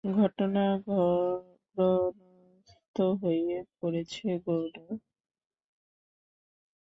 ঘটনা-গ্রন্থন হয়ে পড়েছে গৌণ।